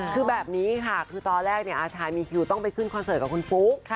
คือแบบนี้ค่ะคือตอนแรกอาชายมีคิวต้องไปขึ้นคอนเสิร์ตกับคุณฟุ๊ก